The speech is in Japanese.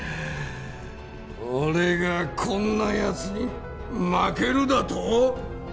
俺がこんな奴に負けるだと！？